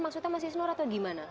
maksudnya masih senor atau gimana